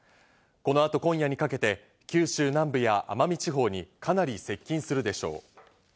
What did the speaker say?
この後、今夜にかけて九州南部や奄美地方にかなり接近するでしょう。